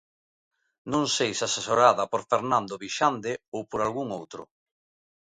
Non sei se asesorada por Fernando Vixande ou por algún outro.